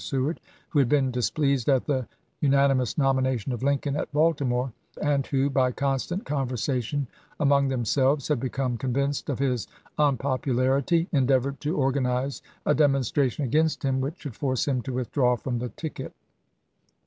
Seward, who had been displeased at the unani mous nomination of Lincoln at Baltimore, and who by constant conversation among themselves had become convinced of his unpopularity, endeavored to organize a demonstration against him which should force him to withdraw from the ticket.